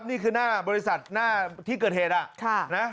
นี่คือหน้าบริษัทหน้าที่เกิดเหตุ